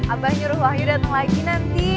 abah nyuruh wahyu datang lagi nanti